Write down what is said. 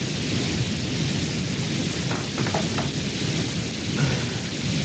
Алар өкүмдү Бишкек шаардык сотунда даттанышат.